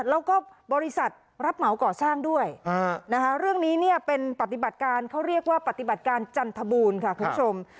แล้วก็บริษัทรับเหมาก่อสร้างด้วยนะคะเรื่องนี้เนี่ยเป็นปฏิบัติการเขาเรียกว่าปฏิบัติการจันทบูรณ์ค่ะคุณผู้ชม